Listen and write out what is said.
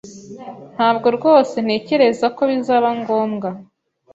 Ntabwo rwose ntekereza ko bizaba ngombwa